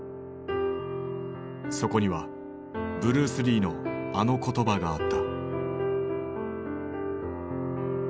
そこにはブルース・リーのあの言葉があった。